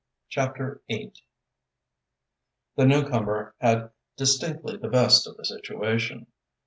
CHAPTER VIII The newcomer had distinctly the best of the situation.